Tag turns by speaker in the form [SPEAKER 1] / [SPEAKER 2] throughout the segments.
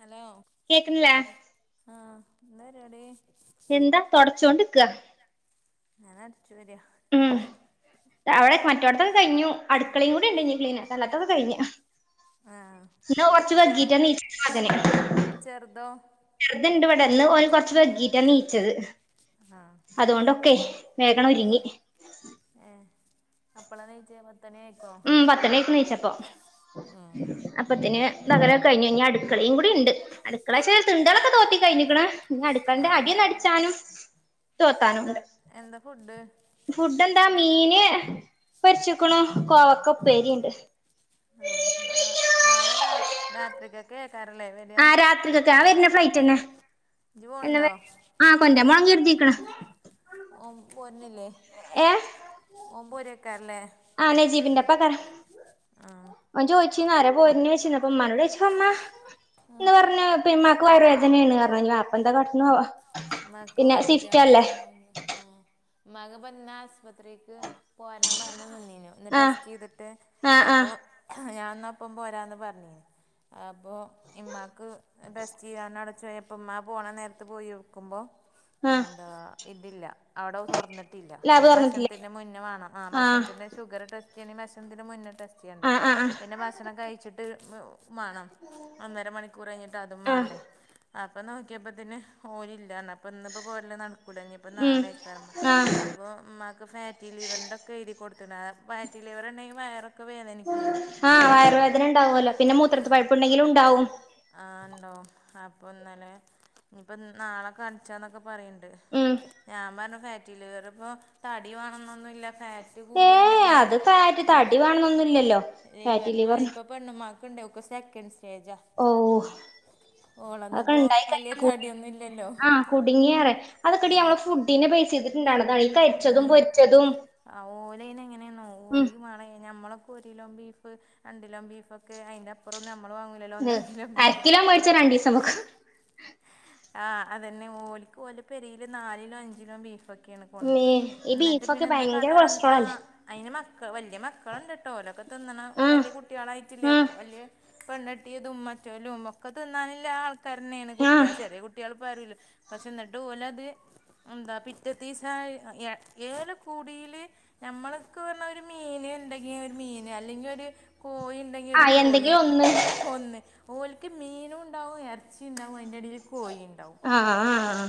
[SPEAKER 1] Hello
[SPEAKER 2] കേക്കുന്നില്ലേ
[SPEAKER 1] ആഹ് എന്താപരിപടി.
[SPEAKER 2] എന്താ തോടച്ചുകൊണ്ട്ക്ക.
[SPEAKER 1] ഞാൻ അടിച്ച് രാ.
[SPEAKER 2] ഉം അവിടെ മറ്റൊടത്തൊക്കെ കഴിഞ്ഞു അടുക്കളയും കൂടി ഉണ്ട് ഇനി ക്ലീനക്കാൻ അല്ലാതാക്കേ കഴിഞ്ഞ്.
[SPEAKER 1] ആഹ്
[SPEAKER 2] ഇന്ന് കുറച്ച്
[SPEAKER 1] കുട്ടികള്
[SPEAKER 2] വകിട്ടാ നീച്ചത് മകൻ.
[SPEAKER 1] ചെറുതോ
[SPEAKER 2] ചെറുതിണ്ടിവിടെ ഇന്ന് ഓൻ കൊറച്ച് വെകിട്ടാ നീച്ചത്
[SPEAKER 1] ആഹ്
[SPEAKER 2] അതുകൊണ്ടൊക്കെ വേഗം ണ്ട് ഒരുങ്ങി
[SPEAKER 1] ഏഹ് അപ്പള നിച്ചേ പത്തണിയായി
[SPEAKER 2] ഉം പത്തണിയിക്ക് നിച്ചപ്പം
[SPEAKER 1] ആഹ്
[SPEAKER 2] അപ്പത്തിന് തകലൊക്കെ കഴിഞ്ഞ് ഇനി അടുക്കളേം കൂടിണ്ട് അടുക്കള ചാ ത്തി ണ്ടളൊക്കെ തോത്തി കഴിഞ്ഞിക്കണ ന്നി അടുക്കളന്റെ അടിയൊന്ന് അടിച്ചാനും
[SPEAKER 1] എന്താ
[SPEAKER 2] തോത്താനുംഇണ്ട്
[SPEAKER 1] എന്താ ഫുഡ്
[SPEAKER 2] ഫുഡ് എന്താ മീന് പൊരിച്ചക്കണു കോവക്ക ഉപ്പേരി ഇണ്ട്
[SPEAKER 1] ആഹ് നാളെ രാത്രിക്കൊക്കെ കരം വരാ
[SPEAKER 2] ദാ വരുന്ന ഫ്ലൈറ്റ് തന്നെ
[SPEAKER 1] ജു പോണ്ടോ
[SPEAKER 2] ആഹ കൊന്റപോവണം കെരുതിക്ണ്
[SPEAKER 1] ഓം പോര്ന്നില്ലേ
[SPEAKER 2] ഏഹ്
[SPEAKER 1] ഓം പൊരെക്കാല്ലേ
[SPEAKER 2] ആഹ് നെജീബിന്റെപ്പക്ക
[SPEAKER 1] ആഹ്
[SPEAKER 2] ഓൻ ചോച്ചിന്ന് ആരാ പോരിന് ചോച്ചിന്ന് അപ്പ ഉമ്മാനോട് ചോച്ചപ്പോ ഉമ്മ
[SPEAKER 1] ആഹ്
[SPEAKER 2] എന്ന് പറഞ്ഞ് പി ഉമ്മക്ക് വയറേദനയാണറഞ്ഞു അപ്പ എന്താ കാട്ടണെ ആവോ
[SPEAKER 1] ഉമ്മാക്ക് വജ്ജ ആഹ് ഉമ്മാക്ക്പ്പോന്ന് ആസ്പത്രിക്ക് പോരണം പറഞ്ഞ് നിന്നീനു.. ഇന്ന്
[SPEAKER 2] ആഹ്
[SPEAKER 1] ടെസ്റ്റ് ചെയ്തിട്ട്
[SPEAKER 2] ആഹ്
[SPEAKER 1] അപ്പൊ
[SPEAKER 2] ആഹ്
[SPEAKER 1] ഞാൻ എന്ന അപ്പം പോരാന്ന് പറഞ്ഞിന്ന് അപ്പോൾ ഇമ്മാക്ക് ടേസ്റ്റ് ചെയ്യാന്ന് അടച്ചെയാപ്പോൾ ഉമ്മാ പോകണ നേരത്ത് പോയി ക്കുമ്പോ
[SPEAKER 2] ആഹ്
[SPEAKER 1] എന്താ ഇതില്ല അവിടെ തുറന്നി ട്ടില്ല
[SPEAKER 2] ലാബ് തൊറന്നിട്ടില്ലേ
[SPEAKER 1] ഭക്ഷത്തിന്റെ മുന്നേ വേണം ആഹ് ഭക്ഷത്തിന്റെ ഷുഗർ ടെസ്റ്റ് ചെയ്യണ ഭക്ഷത്തിന്റെ മുന്നേ ടെസ്റ്റ് ചെയ്യണ്ടേ
[SPEAKER 2] ആഹ് ആഹ് ആഹ്
[SPEAKER 1] പിന്നെ ഭക്ഷണം കഴിച്ചിട്ട് മാണം.. ഒന്നര മണിക്കൂർ കഴിഞ്ഞിട്ട് അതും
[SPEAKER 2] ആഹ്
[SPEAKER 1] മാണ്ടേ അപ്പൊ നോക്കിയപ്പോത്തിന് ഓലില്ലാറഞ്ഞു അപ്പ ഇന്നിപ്പോ പോരല് നടക്കൂല ഇനിപ്പോ
[SPEAKER 2] ഉം
[SPEAKER 1] നാളയ്ക്കാരം അ
[SPEAKER 2] ആഹ്
[SPEAKER 1] അപ്പോ ഉമ്മക്ക് ഫാറ്റി ലിവറിന്റൊക്കെ എയ്തി കൊടുത്തിന്.. ഫാറ്റി ലിവർ ഉണ്ടെങ്കിൽ വയർ
[SPEAKER 2] ആഹ് വയറുവേദന ഉണ്ടാവുവല്ലോ.. പിന്നെ മൂത്രത്തി പഴുപ്പ് ഉണ്ടെങ്കിലും ഉണ്ടാവും
[SPEAKER 1] ആഹ് ഉണ്ടവും.. അപ്പോ ഇന്നലെ അപ്പൊ നാള കാണിച്ചാന്നൊക്കെ പറയണ്ട്..
[SPEAKER 2] ഉം
[SPEAKER 1] ഞാൻ പറഞ്ഞ് ഫാ റ്റി ലിവർ ഇപ്പൊ തടി വേണോന്നൊന്നുവില്ല ഫാറ്റ് കൂടിയാണ്ട്
[SPEAKER 2] ഏഹ്
[SPEAKER 1] പിന്നെ
[SPEAKER 2] അത് ഫാറ്റ് തടി വേണന്നൊന്നുല്ലല്ലോ ഫാറ്റി
[SPEAKER 1] ലിവെറിന്
[SPEAKER 2] ലിവറിന്
[SPEAKER 1] ഇപ്പോ പെണ്ണുമ്മാക്കുണ്ട്.. ഓക്ക് സെക്കൻഡ് സ്റ്റേജാ
[SPEAKER 2] ഓഹ്
[SPEAKER 1] ഓളൊന്നും ഇപ്പോൾ
[SPEAKER 2] അതൊക്കെണ്ടായി
[SPEAKER 1] വലിയ
[SPEAKER 2] കഴിഞ്ഞ..
[SPEAKER 1] തടിയൊന്നും ഇല്ലല്ലോ
[SPEAKER 2] ആഹ്.. കുടുങ്ങിയറയാ.. അതൊക്കെടി നമ്മള ഫുഡിനെ ബേസ് ചെയ്തിട്ടുണ്ടാണതാണ്.. ഈ കരിച്ചതും പൊരിച്ചതും
[SPEAKER 1] ആഹ് ഓലയ്ന് എങ്ങനെയെന്നോ..
[SPEAKER 2] ഉം
[SPEAKER 1] ഓല്ക്ക് മേണം ഞമ്മളക്കൊ ഒരിലോ ബീഫ്‌ രണ്ട് കിലോ ബീഫൊക്കെ അയിന്റെ അപ്പുറം ഒന്നും നമ്മള് വാങ്ങൂലല്ലോ ഒന്നര കിലോ ബീഫ്‌
[SPEAKER 2] അരക്കിലോ മേടിച്ചാ
[SPEAKER 1] ഓഹ്
[SPEAKER 2] രണ്ടീസം വെക്കും
[SPEAKER 1] ആഹ് അതന്നെ ഓല്ക്ക് ഓലെ പെരെല് നാലീലോ അഞ്ചിലോ ബീഫൊക്കെ ക്കെയാണ്
[SPEAKER 2] മേ
[SPEAKER 1] കൊണ്ടരാ
[SPEAKER 2] ഈ
[SPEAKER 1] എന്നിട്ട് പിന്നെ
[SPEAKER 2] ബീഫൊക്കെ
[SPEAKER 1] എന്താ
[SPEAKER 2] ഭയങ്കര
[SPEAKER 1] കാട്ടാ
[SPEAKER 2] കൊളസ്ട്രോൾ അല്ലേ
[SPEAKER 1] ആഹ് അയിന് മക്ക വല്യ മക്കളുണ്ട് കേട്ടോ.. ഓലൊക്കെ തിന്നണ
[SPEAKER 2] ആഹ്
[SPEAKER 1] വല്യ കുട്ടികളായിട്ടില്ലേ...
[SPEAKER 2] ആഹ്
[SPEAKER 1] ഒക്കെ വല്യ പെണ്ണട്ടിയതും മറ്റൊലും ഒക്കെ തിന്നാനില്ല ആൾക്കാരെന്നെയാണ് കുട്ടികൾ
[SPEAKER 2] ആഹ്
[SPEAKER 1] ചെറിയ കുട്ടികൾ [unintelligible] പക്ഷെ എന്നിട്ട് ഓല് അത് എന്താ പിറ്റത്തീസ ഏഹ് ഏല് കൂടില് ഞമ്മളൊക്കെ വന്ന ഒരു മീൻ ഇണ്ടെങ്കി ഒരു മീന്.. അല്ലെങ്കിൽ ഒരു കോയി ഇണ്ടെങ്കി ഒരു
[SPEAKER 2] ആഹ്
[SPEAKER 1] കോയി
[SPEAKER 2] എന്തെങ്കിലും ഒന്ന്
[SPEAKER 1] ഒന്ന് ഓല്ക്ക് മീനുണ്ടാവും.. ഇറച്ചിണ്ടാവും.. അതിന്റെടയിൽ കോയി ഉണ്ടാവും
[SPEAKER 2] ആഹ് ആഹ്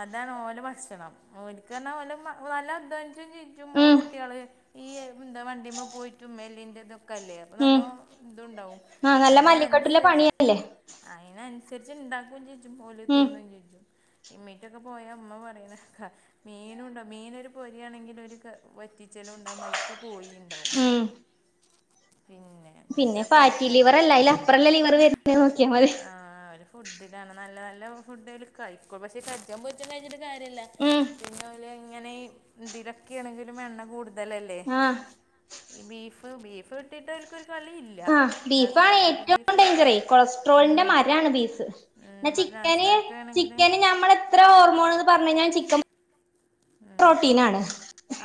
[SPEAKER 1] അതാണ് ഓലെ ഭക്ഷണം.. ഓൽക്കറഞ്ഞാൽ ഓല നല്ല അധ്വാനിച്ചും ജീയിച്ചും ഓ
[SPEAKER 2] ഉം
[SPEAKER 1] കുട്ടികള് ഈ എന്താ വണ്ടിയമ്മ പോയിട്ടും എല്ലിന്റെ ഇതൊക്ക അല്ലേ അപ്പൊ
[SPEAKER 2] ഉം
[SPEAKER 1] നല്ലോ ഇതുണ്ടാവും
[SPEAKER 2] ആഹ്.. നല്ല മല്ലിക്കെട്ടിലെ പണിയല്ലേ
[SPEAKER 1] അയിനനുസരിച്ച് ഇണ്ടാക്കും ചെയ്യും.. ഓല്
[SPEAKER 2] ഉം
[SPEAKER 1] തിന്നേം ചെയ്യും.. ഇമ്മീറ്റൊക്കെ പോയ ഇമ്മ പറയുന്നെക്ക മീനുണ്ടാവും.. മീനൊരു പൊരിയാണെങ്കിൽ ഒരു വറ്റിച്ചലും ഉണ്ടാകും.. അയിൽക്ക് കോഴിണ്ടാവും
[SPEAKER 2] ഉം..
[SPEAKER 1] പിന്നെ
[SPEAKER 2] പിന്നെ
[SPEAKER 1] എന്നിട്ടപ്പം അത്
[SPEAKER 2] ഫാറ്റി ലിവർ
[SPEAKER 1] ഫേ
[SPEAKER 2] അല്ല.. അയിൽ അപ്പറല്ല ലിവർ വരുന്ന നോക്കിയാൽ മതി
[SPEAKER 1] ആഹ് ഓല് ഫുഡിലാണ് നല്ല നല്ല ഫുഡ്ല്ലേ കഴിക്കൂ. പക്ഷെ കരിച്ചേ പൊരിച്ചേം കഴിച്ചിട്ട് കാര്യല്ല
[SPEAKER 2] ഉം
[SPEAKER 1] പിന്നെ ഓല് ഇങ്ങനെ ഇതിലൊക്കെയാണെങ്കിലും എണ്ണ കൂടുതലല്ലേ
[SPEAKER 2] ആഹ്
[SPEAKER 1] ഈ ബീഫ് ബീഫ് വിട്ടിട്ട് ഓല്ക്കൊരു കളി ഇല്ല
[SPEAKER 2] ആഹ്.. ബീഫ് ആണ്
[SPEAKER 1] നാസിറാക്കാക്ക്
[SPEAKER 2] ഏറ്റവും
[SPEAKER 1] ബീഫേ
[SPEAKER 2] ഡേഞ്ചറേ..
[SPEAKER 1] പറ്റൂ
[SPEAKER 2] കൊളസ്ട്രോളിന്റെ
[SPEAKER 1] ഉം
[SPEAKER 2] മരാണ് ബീഫ് എന്ന
[SPEAKER 1] ഉം
[SPEAKER 2] ചിക്കന്..
[SPEAKER 1] നാസിറാക്കാണെങ്കിൽ
[SPEAKER 2] ചിക്കന് ഞമ്മൾ എത്ര ഹോർമോണന്ന് പറഞ്ഞു കഴിഞ്ഞാലും ചിക്കൻ പ്രോട്ടീനാണ്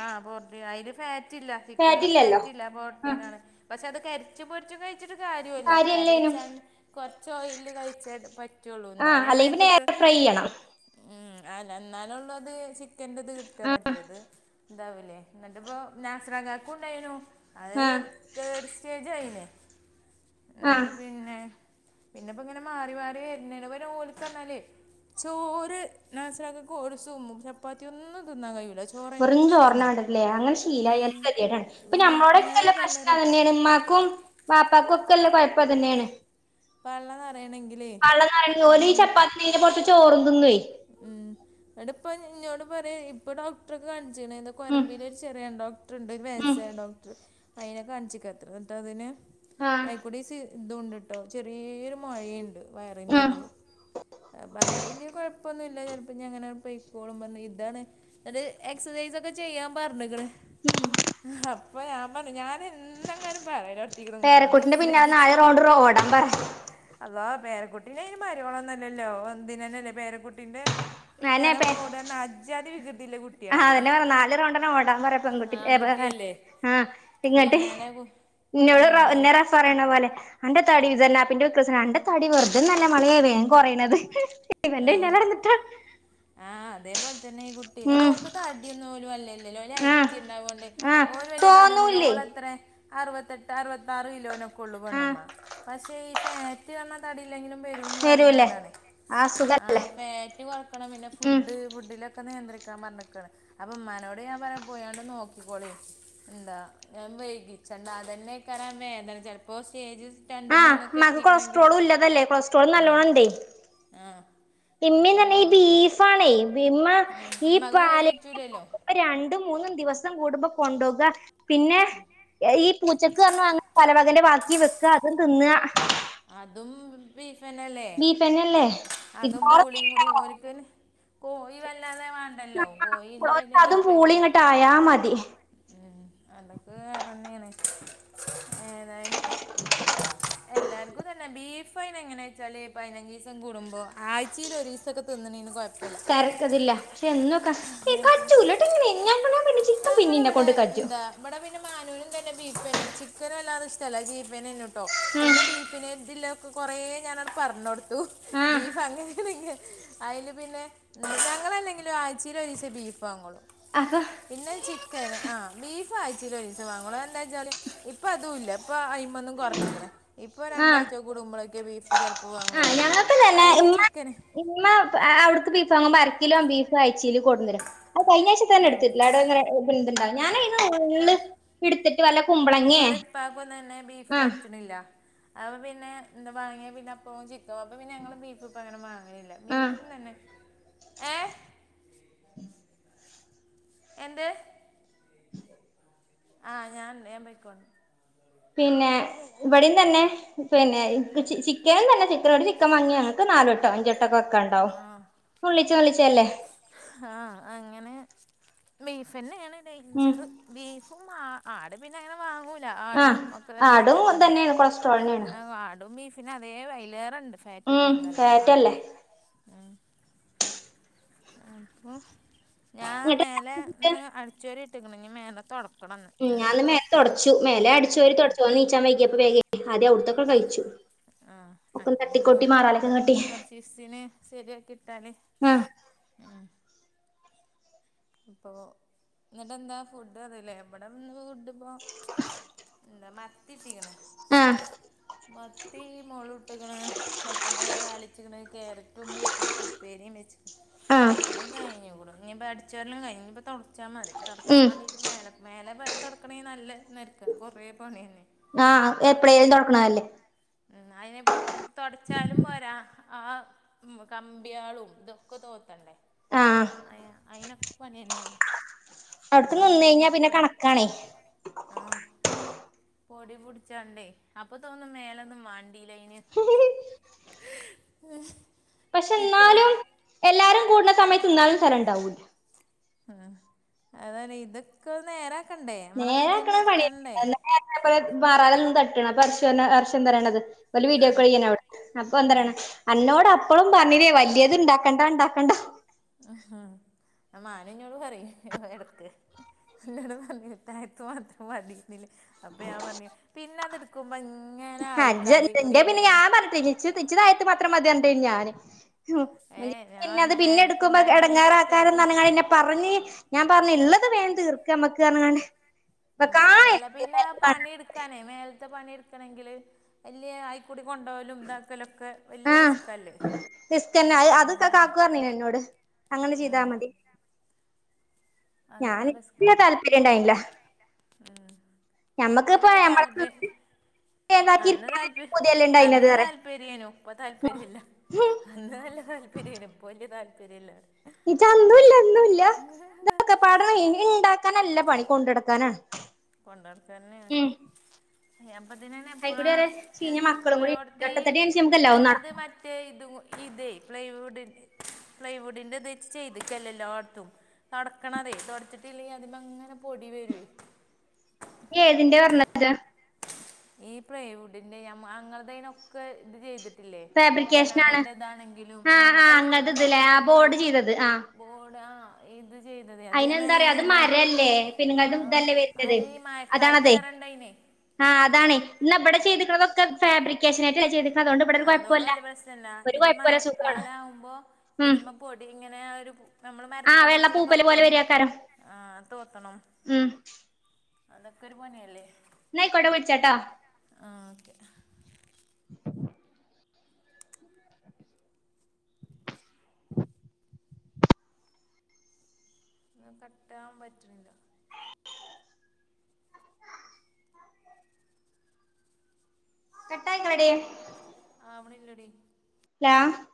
[SPEAKER 1] ആ... പോർടീന... അയിൽ ഫാറ്റ് ഇല്ല.. ചിക്കനിൽ
[SPEAKER 2] ഫാറ്റില്ലല്ലോ
[SPEAKER 1] ഫാറ്റില്ല.. അത്
[SPEAKER 2] ആഹ്
[SPEAKER 1] പ്രോട്ടീനണ്.. പക്ഷെ അത് കരിച്ച് പൊരിച്ചും കഴിച്ചി ട്ട് കാര്യുല്ല...
[SPEAKER 2] കാര്യല്ലേനും
[SPEAKER 1] കാര്യവെച്ചാൽ കൊറച്ച് ഓയില് കഴിച്ചേ പറ്റുള്ളൂ
[SPEAKER 2] ആഹ്
[SPEAKER 1] എന്നാലേ
[SPEAKER 2] അല്ലെങ്കി പിന്നെ
[SPEAKER 1] മേതേക്ക്
[SPEAKER 2] എയർ ചെയ്യണം
[SPEAKER 1] ഉം അ എന്നാലുള്ളൂ അത് ചിക്കന്റെ ഇത് കിട്ടാ മറ്റേത് ഇണ്ടാവൂലേ എന്നിട്ട് ഇപ്പ നാസറകാക്കക്ക് ഉണ്ടായിനു അത്
[SPEAKER 2] ആഹ്
[SPEAKER 1] തേഡ് സ്റ്റേജയിനെ
[SPEAKER 2] ആഹ്
[SPEAKER 1] എന്നിട്ട് പിന്നെ പിന്നെപ്പ ഇങ്ങനെ മാറി മാറി വരുന്ന് പിന്നെ ഓലിക്കറഞ്ഞാലേ ചോറ് നാസിറാക്കക്ക് ഒരു സും ചപ്പാത്തി ഒന്നും തിന്നാൻ കഴിയൂല ചോറ്
[SPEAKER 2] വെറും
[SPEAKER 1] തന്നെ തിന്നണം
[SPEAKER 2] ചോർന്നവേണ്ടല്ലേ അങ്ങനെ ശീലായല്
[SPEAKER 1] ഉം,
[SPEAKER 2] ഗതികേടാണ് ഇപ്പ
[SPEAKER 1] ഉം, എന്നാലേ
[SPEAKER 2] നമ്മളോടൊക്കെല്ല പ്രശ്നം
[SPEAKER 1] പള്ളറ്
[SPEAKER 2] അത് തന്നെയാണ് മ്മാക്ക് ക്കും വാപ്പാക്കും ഒക്കെല്ല കുഴപ്പം ഇത് തന്നെയാണ്
[SPEAKER 1] പള്ളനറയണെങ്കിലേ ഓ
[SPEAKER 2] അയിന്റെ പൊറത്ത് ചോറും തിന്നുവേ
[SPEAKER 1] ഉം അന്നിട്ടിപ്പാ എന്നോട് പറയാ ഇപ്പൊ ഡോ ഡോക്ടർ കാണിച്ചക്ണ്
[SPEAKER 2] ഉം
[SPEAKER 1] കൊറമ്പിലെ ഒരു ചെറിയാൻ ഡോക്ടറുണ്ട് ഒരു
[SPEAKER 2] ഉം
[SPEAKER 1] വയസായ ഡോക്ടർ അതിനെ കാണിച്ചിക്കത്ര എന്നിട്ട് അതിന്
[SPEAKER 2] ആഹ്
[SPEAKER 1] ആയിക്കൂടി സി ഇതുണ്ടിട്ടോ ചെറിയൊരു മൊയേയുണ്ട് വയറിന്റെ
[SPEAKER 2] ആഹ്
[SPEAKER 1] ഉള്ളില് അപ്പൊ അത് വലിയ കുഴപ്പ ന്നുല്ല ചിലപ്പോ ഇഞ്ഞ് അങ്ങനെ പോയ്‌ക്കോളും പറഞ്ഞ് ഇതാണ് അന്നിട്ട് എക്സസൈസൊക്കെ ചെയ്യാൻ പറഞ്ഞെക്ക്ണ് അപ്പൊ ഞാൻ പറഞ്ഞു ഞാന് എന്നെങ്ങാനും പറയലോട ഇത്ങ്ങളോടെ
[SPEAKER 2] പേരക്കുട്ടിന്റെ പിന്നാലെ
[SPEAKER 1] എക്സസൈസ്
[SPEAKER 2] നാല്
[SPEAKER 1] ചെയ്യ്
[SPEAKER 2] റൗണ്ട് ഓടാൻ പറ
[SPEAKER 1] അല്ലാഹ് പേരക്കുട്ടീനെ ഇനി മരുവോളന്നുല്ലല്ലോ എന്തിനന്നെല്ലേ പേരക്കുട്ടീന്റെ
[SPEAKER 2] ഞാനെ
[SPEAKER 1] പിന്നൊലെ
[SPEAKER 2] പേ
[SPEAKER 1] ഓടണ അജ്ജാതി വികൃ തിള്ള
[SPEAKER 2] ആ
[SPEAKER 1] കുട്ടിയാണത്
[SPEAKER 2] അതന്നെ പറ നാല് റൗണ്ടന്നെ ഓടാൻ പറ
[SPEAKER 1] ആ
[SPEAKER 2] പെൺകുട്ടി ഏ
[SPEAKER 1] ആൺകുട്ടിയല്ലേ
[SPEAKER 2] ആഹ് ഇങ്ങട്ട്
[SPEAKER 1] പിന്നാലെ
[SPEAKER 2] ഇന്നോട് റ
[SPEAKER 1] പെണ്ണുമ്മേനെ
[SPEAKER 2] റഫപറയണ പോലെ അന്റെ തടി ഇതെല്ലപ്പന്റെ [unintelligible] അന്റെ തടി വെറുതെന്നല്ല മോളെയ വേം കുറയണത്
[SPEAKER 1] ആഹ് ആഹ് അതേ പോലെ തന്നെ ഈ കുട്ടി
[SPEAKER 2] ഉം
[SPEAKER 1] അയ്നോക്ക് തടിയൊന്നും വല്യ ഇല്ലല്ലോ
[SPEAKER 2] ആഹ്
[SPEAKER 1] ഹൈറ്റി ഉണ്ടാവുകൊണ്ട്
[SPEAKER 2] ആഹ്
[SPEAKER 1] ഓല് വല്യ തടിയൊന്നും
[SPEAKER 2] തോന്നൂല്ലേ
[SPEAKER 1] ഓൾ എത്ര അറുപത്തെട്ട് അറുപത്താറ് കിലോനൊക്കെ ഉള്ളു
[SPEAKER 2] ആഹ്
[SPEAKER 1] പണ്ണ്മ പക്ഷേ ഈ ഫാറ്റ്കാരണം തടിയില്ലെങ്കിലും വരുമെന്ന് പറയുന്നത്
[SPEAKER 2] വരൂലേ
[SPEAKER 1] അതാണ്
[SPEAKER 2] ആഹ് സുഖല്ലേ
[SPEAKER 1] ആഹ് ഫാറ്റ് കൊറക്കണം പിന്നെ
[SPEAKER 2] ഉം
[SPEAKER 1] ഫുഡ് ഫുഡില ക്കെ നിയന്ത്രിക്കാൻ പറഞ്ഞിക്കാണ് അപ്പൊ ഉമ്മാനോട് ഞാൻ പറ പോയണ്ട് നോക്കിക്കോളി എന്താ ഞാൻ വൈകിച്ചണ്ട അതന്നെക്കറൻ വേദന ചിലപ്പോ സ്റ്റേജസ് രണ്ട്
[SPEAKER 2] ആഹ്
[SPEAKER 1] മൂന്നൊക്കെ
[SPEAKER 2] ഉമ്മാക്ക്
[SPEAKER 1] എത്തിക്കണമെങ്കിൽ
[SPEAKER 2] കൊളസ്ട്രോളും ഇല്ലതല്ലേ കൊളസ്ട്രോൾ
[SPEAKER 1] ഉം ആഹ്
[SPEAKER 2] ഇമ്മന്ന് പറഞ്ഞ ഈ ബീഫാണെ ഇമ്മ ഈ
[SPEAKER 1] നമുക്ക് കോഴി
[SPEAKER 2] പാല
[SPEAKER 1] പറ്റൂലല്ലോ
[SPEAKER 2] രണ്ടും മൂന്നും ദിവസം കൂടുമ്പോ കൊണ്ടുകുവ പിന്നെ ഈ പൂച്ചക്ക് പറഞ്ഞു അങ്ങനേ പലവകന്റെ ബാക്കി വെക്ക അതും തിന്ന
[SPEAKER 1] അതും ബീഫനല്ലേ
[SPEAKER 2] ബീഫന്നെല്ലേ
[SPEAKER 1] അതും
[SPEAKER 2] ഇതാറെ
[SPEAKER 1] പൂളിയും കൂട ഒരിക്കന് കോയി വല്ലാതെ വേണ്ടല്ലോ കോയിന്റെ വലിയ
[SPEAKER 2] അതും
[SPEAKER 1] തൃപ്പില്ല
[SPEAKER 2] പൂളി ഇങ്ങോട്ട് ആയാ മതി
[SPEAKER 1] ഉം അതൊക്കെ വേറെന്നെയാണ് ഏതായാലും അ എല്ലാർ അത് തന്നെ ബീഫൈന് എങ്ങനെയ വെച്ചാല് പൈനഞ്ചിസം കൂടുമ്പോൾ ആഴ്ചയിൽ ഒരു ദീസൊക്കെ തിന്നണന് കുഴപ്പമില്ല
[SPEAKER 2] വരക്കല്ല പക്ഷെ എന്നൊക്ക
[SPEAKER 1] ഞാൻ പോ-
[SPEAKER 2] ഏക്കചുലാട്ടോ
[SPEAKER 1] ഞാൻ-
[SPEAKER 2] ഇങ്ങനെ പിന്നെ ചിക്കൻ പിന്നെ എന്നെ കൊണ്ട് കജ്ജും
[SPEAKER 1] ഇബടെ പിന്നെ മാനൂനും തന്നെ ബീഫന്നെ ചിക്കനല്ലാതെ ഇഷ്ടല്ല ബീഫന്നെന്നും കേട്ടോ പിന്നെ ബീഫിനെതിലൊക്കെ കൊറേ ഞാനങ്ങട് പറഞ്ഞ് കൊടുത്തു
[SPEAKER 2] ആ
[SPEAKER 1] ബീഫ് അങ്ങനെങ്ക അയില് പിന്നെ ഞങ്ങളല്ലെങ്കിലും ആയ് ച്ചിലൊരീസ ബീഫ് വാങ്ങോളൂ
[SPEAKER 2] അപ്പോ
[SPEAKER 1] പിന്നെ ചിക്കൻ ആഹ് ബീഫ് അയ്ചേലൊരീസവാങ്ങള്ളൂ അതെന്താച്ചാല് ഇപ്പൊ അതും ഇല്ല ഇപ്പൊ അയിമ്മേന്നും കുറഞ്ഞിക്കണ് ഇപ്പോ
[SPEAKER 2] ആ
[SPEAKER 1] രണ്ടാഴ്ച കൂടുമ്പോലൊക്കെ ബീഫ് ചെലപ്പോ
[SPEAKER 2] ആഹ്
[SPEAKER 1] വാങ്ങുഒള്ളൂ.
[SPEAKER 2] ഞങ്ങൾക്ക് തന്നെ
[SPEAKER 1] അല്ലെങ്കിൽ
[SPEAKER 2] ഇമ്മ
[SPEAKER 1] ചിക്കന്
[SPEAKER 2] ഇമ്മ അവിട്ക്ക്‌ ബീഫാങ്ങുമ്പോ അരക്കിലോ ബീ ആയ്ച്ചീല് കൊട്‌ന്നര അഹ് കയ്ഞ്ഞ ആഴ്ച്ചതന്നെ എട്ത്തിട്ടില്ല. അവ്ടെ ങ്ങനെ ബുന്ണ്ടാക ഞാനയ്ന്
[SPEAKER 1] ഇപ്പ
[SPEAKER 2] കുമ്പളങ്ങേ
[SPEAKER 1] ഇവടെ ഇപ്പാക്കും തന്നെ ബീഫ്
[SPEAKER 2] ആഹ്
[SPEAKER 1] പറ്റ്ണ്ല്ല. അപ്പ പിന്നെ എന്താ വാങ്ങിയ പിന്നെ അപ്പോ ചി [unintelligible] അപ്പ പിന്ന ഞങ്ങള് ബീഫ് ഇപ്പങ്ങനെ മാങ്ങ്ണില്ല,
[SPEAKER 2] ആഹ്
[SPEAKER 1] ബീഫും തന്നെ ഏ എന്ത് ആ ഞാൻണ്ട് ഞാപൊയ്ക്കോണ്ട്.
[SPEAKER 2] പിന്നെ ഇവടിം തന്നെ പിന്നെ ചി ചിക്കനും തന്നെ ചിക്കനോട് ചിക്കൻ മാങ്ങിയാ ഞങ്ങക്ക് നാലട്ടോ അഞ്ച ട്ടൊക്കെ വെക്കാണ്ടാവും. നുള്ളിച്ചേ നുള്ളിച്ചേയല്ലേ.
[SPEAKER 1] ആഹ് അങ്ങനെ ബീഫന്നെയാണ്
[SPEAKER 2] ഉം
[SPEAKER 1] ഡൈഞ്ചറ്. ബീഫും ആ ആട് പിന്നെ അങ്ങനെ വാങ്ങൂ ല്ല.
[SPEAKER 2] ആഹ്
[SPEAKER 1] ആടും ഒക്കെ
[SPEAKER 2] ആടും
[SPEAKER 1] ഡേഞ്ചർ തന്നെ.
[SPEAKER 2] തന്നെയാണ് കൊളസ്ട്രോളിനാണ്
[SPEAKER 1] ആടും ബീഫിനും അതേ വയ്ലേറണ്ട്.
[SPEAKER 2] ഉം ഫേറ്റല്ലേ
[SPEAKER 1] ഉം ഉം ഞാൻ
[SPEAKER 2] എന്നിട്ട്
[SPEAKER 1] മേലെന്ന് അട്ചേരിട്ട്ക്ക്ണ്. ഇഞ്ഞ് മേലെ തൊട്ക്ക
[SPEAKER 2] ഉം ഞാനിന്ന് മേലെ തൊട്ച്ചു, മേലെ അട്ച്ചു വാരി തൊട്ച്ചു ഓൻ നീച്ചാൻ വൈകിയപ്പോ വേഗേ ആദ്യം ഔട് ത്തൊ ക്കെ കഴ്ച്ചു,
[SPEAKER 1] ആഹ്
[SPEAKER 2] ഒക്കെന്ന്
[SPEAKER 1] അതിനിപ്പോ
[SPEAKER 2] തട്ടികൊട്ടി മാറാലക്കെതട്ടി
[SPEAKER 1] [unintelligible] ശരിയാക്കി ഇട്ടാല്
[SPEAKER 2] ആഹ്
[SPEAKER 1] ഉം അപ്പൊ ന്നട്ട് എന്താ ഫുഡ് അത് ല്ലേ ഇബടെന്ന് ഫുഡ് ഇപ്പോ
[SPEAKER 2] [inaudible]
[SPEAKER 1] എന്താ മത്തിട്ടിക്ക്ണ്
[SPEAKER 2] ആഹ്
[SPEAKER 1] മ ത്തി മൊളും ഇട്ട്ക്ക്ണ്, മത്തന്റല താളിച്ചിക്ക്ണ്, ക്യാരറ്റും ബീട്രൂട്ടും ഉപ്പേരിയും വെച്ച്ക്ക്
[SPEAKER 2] ആഹ്
[SPEAKER 1] [unintelligible] അത് കഴ്ഞ്ഞ്ക്ക്ണ് ഇനിപ്പ അട് അട്ച്ചേരലും കഴ്ഞ്ഞ്ക്ക്ണ് ഇനി ഇപ്പോ തൊട്ച്ചാ മതി, തൊട്ക്കാ
[SPEAKER 2] ഉം
[SPEAKER 1] മാണ്ടീട്ട് മേല മേലെപ്പ തൊട്ക്കണങ്കി നല്ല നെ ർക്ക കൊറേ പണിയണെ
[SPEAKER 2] ആഹ് എപ്പളേലും തൊട്ക്ക്‌ണല്ലേ.
[SPEAKER 1] ഉം അയിനിപ്പോ തൊട്ച്ചാലും പോരാ ആ ഉം കമ്പിയാളും ഇതൊക്കെ തോത്തണ്ടേ?
[SPEAKER 2] ആഹ്
[SPEAKER 1] അ അയ്നൊക്കെ പ്പണിയനല്ലേ
[SPEAKER 2] അവ്ട്ക്ക്‌ നിന്നയ്ഞ്ഞാ പിന്നെ കണക്കാണേ
[SPEAKER 1] ആ പൊടിപുട്ച്ചാണ്ടേ അപ്പൊ തോന്നും മേല ന്നും മാണ്ടീലേനീ
[SPEAKER 2] പക്ഷെ ന്നാലും എല്ലാരും കൂടുന്ന സമയത്ത്ന്നാലും സ്ഥലം ഉണ്ടാവുല്ല
[SPEAKER 1] ഉം അതല്ലെ ഇതൊക്കെ നേരാക്കണ്ടേ നമ്മളെ കജ്ജെന്നെ എത്തണ്ടേ
[SPEAKER 2] അതു പോലെ മാറാല ങ്ങനെ തട്ട്നെ അപ്പോ അർഷു പർന്നു അർഷുന്ത പറിണത് ഓല് വീഡിയോ കോൾ ചെയ്യ [unintelligible] അപ്പൊ എന്തറിണ് അന്നോട് അപ്പളും പർഞ്ഞില്ലേ വലിയ ഇത് ഇണ്ടാക്കണ്ട ഇണ്ടാക്കണ്ട
[SPEAKER 1] ഹ ഹ ആ മാനു ഇന്നോട് പറയേ എടക്ക്, നി ന്നോട് പർഞ്ഞില്ലെ തായ്ത്ത് മാത്രം മതി [unintelligible] അപ്പൊ ഞാൻ പർഞ്ഞ് പിന്നെ അത്ട്ക്കുമ്പോ ഇങ്ങനെ ആയിക്കൂടി മേലെ
[SPEAKER 2] ച് ഇച്ച് തായത്ത് മാത്രം മതിയർന്നിണ്ടേനി ഞാന് [unintelligible]
[SPEAKER 1] ഏ ഞാൻ
[SPEAKER 2] പിന്നെ അത്
[SPEAKER 1] പറഞ്ഞു
[SPEAKER 2] പിന്നെ എട്ക്കുമ്പോ
[SPEAKER 1] മേനക്കുണ്ടായാലും
[SPEAKER 2] എടങ്ങാറാക്കാരം
[SPEAKER 1] കുട്ടികൾക്ക്
[SPEAKER 2] ന്നർഞ്ഞ്കാണ്ട് ഇന്നെ പർഞ്ഞ് ഞാൻ പർഞ്ഞ് ഇള്ളത് വേഗം തീർക്കമ്മക്ക് പർഞ്ഞ്ക്കാണ്ട് [unintelligible]
[SPEAKER 1] ക്കാനെ മേലത്തെ പണി ഇട്ക്കണങ്കില് വല്യ അയ് കൂടി കൊണ്ടോകലും ഇതാക്കലും ഒക്കെ വലിയ
[SPEAKER 2] ആഹ്
[SPEAKER 1] റിസ്ക്കല്ലേ,
[SPEAKER 2] റിസ്ക്കെന്നെ അത്
[SPEAKER 1] അങ്ങന
[SPEAKER 2] അത് കാക്കു പറഞ്ഞീനി എന്നോട്
[SPEAKER 1] [unintelligible]
[SPEAKER 2] അങ്ങനെ ചെയ്താ മതി
[SPEAKER 1] അങ്ങനെ
[SPEAKER 2] ഞാന് [unintelligible] താല്പര്യം ഇണ്ടായിനില്ല.
[SPEAKER 1] ഉം ഇജ്ജ്
[SPEAKER 2] ഞമ്മക്കിപ്പ
[SPEAKER 1] പിന്നെ താല്പ
[SPEAKER 2] ഞമ്മളെ ഏതാക്കി
[SPEAKER 1] അന്ന്
[SPEAKER 2] ഇരിക്കാനല്ലേ
[SPEAKER 1] താല്പര്യം
[SPEAKER 2] പൂതിയല്ലേ ഇണ്ടായിനത്
[SPEAKER 1] അന്ന്
[SPEAKER 2] പറയാ
[SPEAKER 1] താല്പര്യനു ഇപ്പ താല്പര്യല്ല അന്ന് നല്ല താല്പര്യംമായി നു ഇപ്പ വലിപയ താല്പര്യം ഇല്ല.
[SPEAKER 2] ചന്തവുവില്ല ഒന്നുല്ല ഇക്കെ പാടന ഇനി ഉണ്ടാക്ക നല്ല പണി കൊണ്ടടക്കാനാണ്.
[SPEAKER 1] കൊണ്ട നടക്കന്നെയ
[SPEAKER 2] ഉം
[SPEAKER 1] അപ്പത്തിനെ
[SPEAKER 2] അയിക്കൂടി ഒരേ ചീഞ്ഞ മക്കളും കൂടി
[SPEAKER 1] എപ്പഴാഓരോരുത്ത
[SPEAKER 2] ഒട്ടത്തടിയടിച്ച് നമുക്ക് എല്ലാവും
[SPEAKER 1] ഞങ്ങളത്
[SPEAKER 2] നടക്കും
[SPEAKER 1] മറ്റ മറ്റേ ഇത് ഇതേ പ്ളൈവുഡി പ്ലളൈവുഡിന്റെ ഇത് ചെയ്തേക്കല്ലേ എല്ലാടത്തും. തുടക്കണതെ തുടച്ചിട്ടില്ലെങ്കിൽ അതി അങ്ങനെ പൊടി വരുവേ.
[SPEAKER 2] ഏ ഏതിന്റെറെ പറഞ്ഞ
[SPEAKER 1] ഈ പ്രൈവുഡിന്റെ ഞ അങ്ങളുടെനൊക്കെ ഇത് ചെയ്തിട്ട്
[SPEAKER 2] ഫാബ്രിക്കേഷനാണ്
[SPEAKER 1] ജനാലിന്റെതാണെങ്കിലും ആ
[SPEAKER 2] ആഹ് ആഹ്
[SPEAKER 1] അല്ല
[SPEAKER 2] അങ്ങനത്തെ ഇതില്ലേ ആ
[SPEAKER 1] പ്ലൈവുഡ്
[SPEAKER 2] ബോർഡ് ചെയ്തത് ആഹ്
[SPEAKER 1] വോട ഇത് ചെയ്തത് അതനെ
[SPEAKER 2] അയിനെന്താ പറയാ അത്
[SPEAKER 1] ഈയല്ലോ
[SPEAKER 2] മരല്ലേ പിന്നെങ്ങത്
[SPEAKER 1] ആ
[SPEAKER 2] ഇതല്ലേ വരുന്നത്
[SPEAKER 1] അത് ഇ കാലത്ത്റെണ്ടായിനെ
[SPEAKER 2] ആ, അതാണ് ഇന്ന് ഇവിടെ ചെയ്തിന്നതൊക്കെ ഫാബ്രിക്കേഷനായിയിട്ട ചെയ്
[SPEAKER 1] അതൊണ്ട് വലിയ പ്രശ്നല്ലാ, ഇത്
[SPEAKER 2] കുഴപ്പല്ല സുഖാണ്
[SPEAKER 1] മഴക്കാല ആവുമ്പോ
[SPEAKER 2] ഉം
[SPEAKER 1] ഇതിമ്മ പൊടി ഇങ്ങനെ ഒരു നമ്മള്
[SPEAKER 2] ആഹ്
[SPEAKER 1] മരത്ത്മ്മേ
[SPEAKER 2] വെള്ള
[SPEAKER 1] കുടിച്ചണ
[SPEAKER 2] പൂപ്പല്
[SPEAKER 1] പോലെ തന്നെ
[SPEAKER 2] വരാക്കാരം
[SPEAKER 1] ആ തോത്തണം
[SPEAKER 2] ഉം
[SPEAKER 1] അതൊക്കരു പണി അല്ലേ
[SPEAKER 2] ഇന്ന ഇ [unintelligible]
[SPEAKER 1] ആ, ഓക്കെ
[SPEAKER 2] [unintelligible]
[SPEAKER 1] ഒന്നും കട്ടാൻ പറ്റുന്നില്ല
[SPEAKER 2] കട്ടായിങ്ങളുടെയ
[SPEAKER 1] ആ അവണ് ഇല്ലടി
[SPEAKER 2] [unintelligible]